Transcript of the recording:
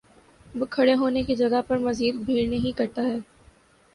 وہ کھڑے ہونے کی جگہ پر مزید بھیڑ نہیں کرتا ہے